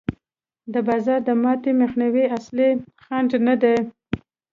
د بازار د ماتې مخنیوی اصلي خنډ نه دی.